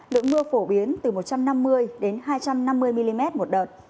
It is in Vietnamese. lượng mưa phổ biến từ một trăm năm mươi đến hai trăm năm mươi mm một đợt